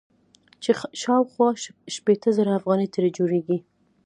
چې شاوخوا شپېته زره افغانۍ ترې جوړيږي.